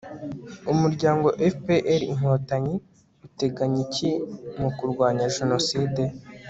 umuryango fpr-inkotanyi uteganya iki mu kurwanya jenoside